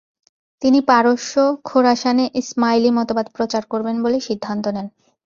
তিনি পারস্য, খোরাসানে ইসমাইলি মতবাদ প্রচার করবেন বলে সিদ্ধান্ত নেন।